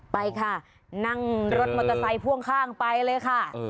ไปค่ะนั่งรถมอเตอร์ไซค์พ่วงข้างไปเลยค่ะ